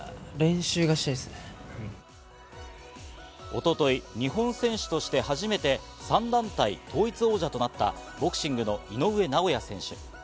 一昨日、日本選手として初めて３団体統一王者となったボクシングの井上尚弥選手。